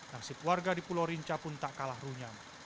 nasib warga di pulau rinca pun tak kalah runyam